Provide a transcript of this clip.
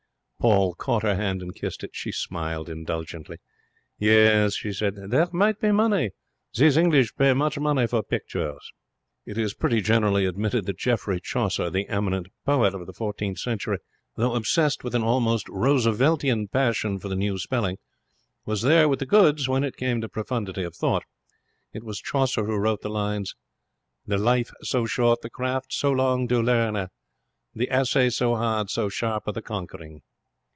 Paul caught her hand and kissed it. She smiled indulgently. 'Yes,' she said. 'There might be money. These English pay much money for pictures.' It is pretty generally admitted that Geoffrey Chaucer, the eminent poet of the fourteenth century, though obsessed with an almost Rooseveltian passion for the new spelling, was there with the goods when it came to profundity of thought. It was Chaucer who wrote the lines: The lyfe so short, the craft so long to lerne, Th' assay so hard, so sharpe the conquering.